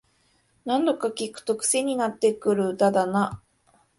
何度か聴くとクセになってくる歌だな